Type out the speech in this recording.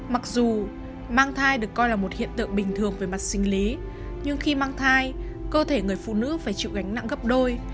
mặc dù mang thai được coi là một hiện tượng bình thường về mặt sinh lý nhưng khi mang thai cơ thể người phụ nữ phải chịu gánh nặng gấp đôi